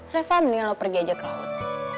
reva mendingan lo pergi aja ke laut